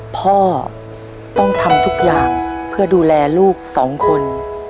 พ่อต้องทำทุกอย่างเพื่อดูแลลูกสองคน